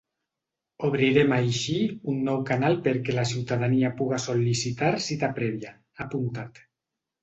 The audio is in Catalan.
“Obrirem així un nou canal perquè la ciutadania puga sol·licitar cita prèvia”, ha apuntat.